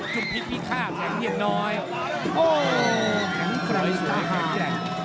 จุดพลิกพี่ข้าวแข็งเย็ดน้อยโอ้โหแข็งแข็งแกร่ง